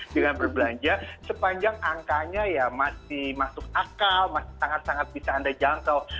dengan berbelanja sepanjang angkanya ya masih masuk akal masih sangat sangat bisa anda jangkau